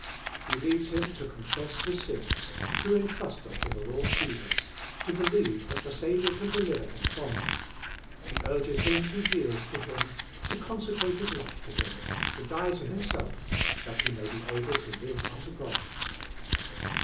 He leads him to confess his sins, to entrust them to the Lord Jesus, to be lieve that the Saviour can deliver him from them. He urges liim bo yield la Him, to consecrate his life to Him, to die to himself that he ma.y be able to live nnlo God.